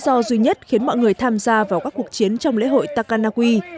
lý do duy nhất khiến mọi người tham gia vào các cuộc chiến trong lễ hội takanagi